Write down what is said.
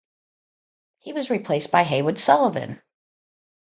He was replaced by Haywood Sullivan.